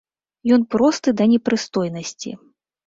Ён просты да непрыстойнасці.